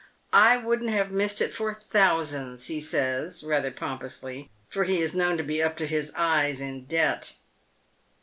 " I wouldn't have missed it for thousands," he says, rather pompously, for he is known to be up to his eyes in debt.